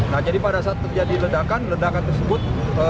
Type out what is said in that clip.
nah jadi pada saat terjadi ledakan ledakan tersebut